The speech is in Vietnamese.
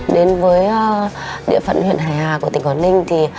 đến với địa phận huyện hải hà của tỉnh quảng ninh